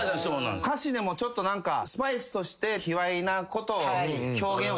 歌詞でもちょっと何かスパイスとして卑猥なことを表現を入れてみたりとか。